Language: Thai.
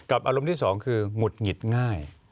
อารมณ์ที่สองก่อนหลุดหงิดง่าย